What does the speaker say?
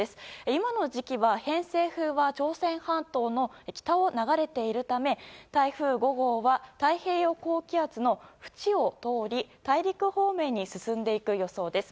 今の時期は偏西風は朝鮮半島の北を流れているため台風５号は太平洋高気圧の縁を通り大陸方面に進んでいく予想です。